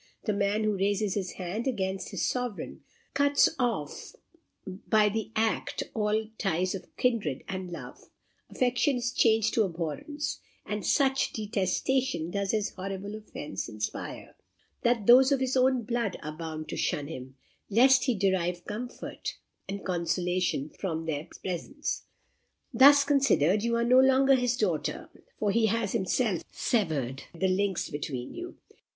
The man who raises his hand against his sovereign cuts off by the act all ties of kindred and love. Affection is changed to abhorrence; and such detestation does his horrible offence inspire, that those of his own blood are bound to shun him, lest he derive comfort and consolation from their presence. Thus considered, you are no longer his daughter, for he has himself severed the links between you.